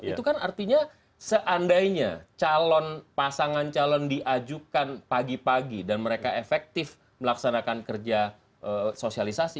itu kan artinya seandainya calon pasangan calon diajukan pagi pagi dan mereka efektif melaksanakan kerja sosialisasi